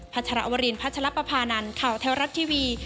พัชราวรีนพัชรประพานันข่าวแท้วรัฐทีวี